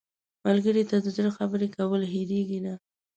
ملګری ته د زړه خبرې کول هېرېږي نه